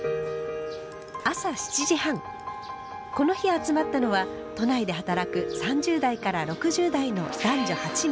この日集まったのは都内で働く３０代から６０代の男女８名。